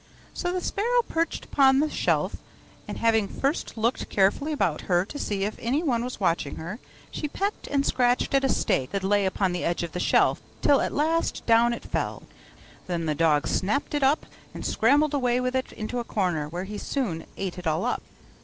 So the sparrow perched upon the shelf: and having first looked carefully about her to see if anyone was watching her, she pecked and scratched at a steak that lay upon the edge of the shelf, till at last down it fell. Then the dog snapped it up, and scrambled away with it into a corner, where he soon ate it all up.